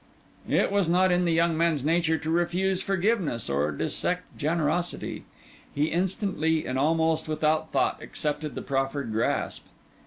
It was not in the young man's nature to refuse forgiveness or dissect generosity. He instantly, and almost without thought, accepted the proffered grasp.